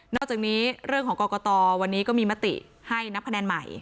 อกจากนี้เรื่องของกรกตวันนี้ก็มีมติให้นับคะแนนใหม่